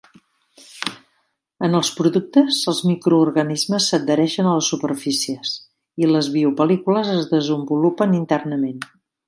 En els productes, els microorganismes s'adhereixen a les superfícies i les biopel·lícules es desenvolupen internament.